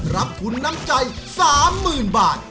รับทุนน้ำใจ๓๐๐๐บาท